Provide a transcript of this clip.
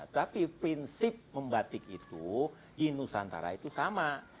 tapi prinsip membatik itu di nusantara itu sama